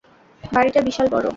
বাড়িটা বিশাল বড়!